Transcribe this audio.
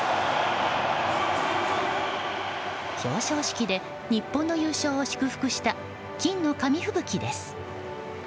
表彰式で日本の優勝を祝福した金の紙ふぶきです。